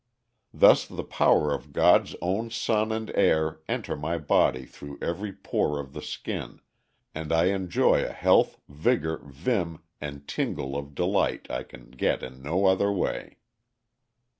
Thus the power of God's own sun and air enter my body through every pore of the skin, and I enjoy a health, vigor, vim, and tingle of delight I can get in no other way.